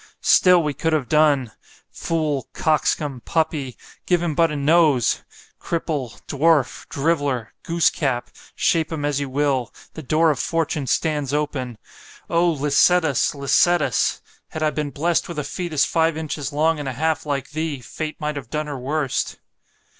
——Still we could have done.——Fool, coxcomb, puppy——give him but a NOSE——Cripple, Dwarf, Driveller, Goosecap——shape him as you will) the door of fortune stands open—O Licetus! Licetus! had I been blest with a fœtus five inches long and a half, like thee—Fate might have done her worst.